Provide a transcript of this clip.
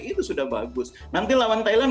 itu sudah bagus nanti lawan thailand